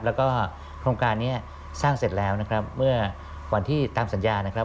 แล้วก็โครงการนี้สร้างเสร็จแล้วนะครับเมื่อก่อนที่ตามสัญญานะครับ